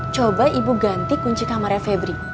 coba ibu ganti kunci kamarnya febri